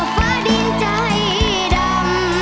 ฟ้าดินใจดำ